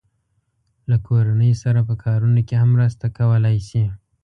له کورنۍ سره په کارونو کې هم مرسته کولای شي.